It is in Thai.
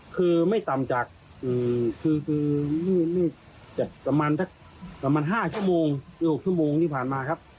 คือไม่ต่ำจากประมาณ๕๖ชั่วโมงที่ผ่านมาครับ